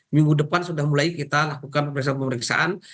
minggu depan sudah mulai kita lakukan pemeriksaan pemeriksaan